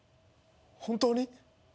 本当に？